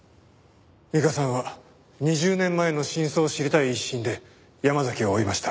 美加さんは２０年前の真相を知りたい一心で山崎を追いました。